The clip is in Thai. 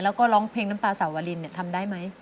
แล้วก็ร้องเพลงน้ำตาสาวลินทำได้ไหม